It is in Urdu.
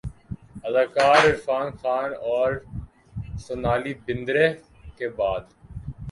اداکار عرفان خان اورسونالی بیندرے کے بعد